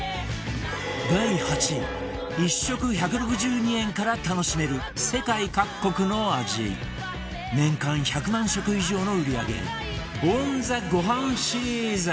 第８位１食１６２円から楽しめる世界各国の味年間１００万食以上の売り上げ「Ｏｎｔｈｅ ごはん」シリーズ